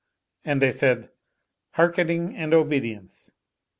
And they said, " Hearkening and obedience."